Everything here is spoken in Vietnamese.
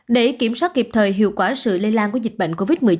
để kiểm soát kịp thời hiệu quả sự lây lan của dịch bệnh covid một mươi chín